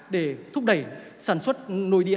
để thúc đẩy sản xuất nội địa